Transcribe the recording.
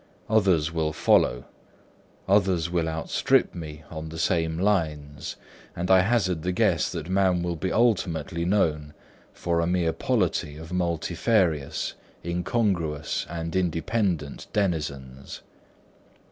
Others will follow, others will outstrip me on the same lines; and I hazard the guess that man will be ultimately known for a mere polity of multifarious, incongruous and independent denizens.